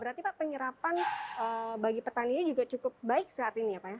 berarti pak penyerapan bagi petaninya juga cukup baik saat ini ya pak ya